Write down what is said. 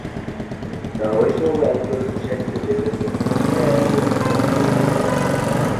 The original value of the check digit is then compared with the calculated value.